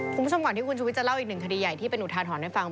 คุณผู้ชมก่อนที่คุณชุวิตจะเล่าอีกหนึ่งคดีใหญ่ที่เป็นอุทาหรณ์ให้ฟัง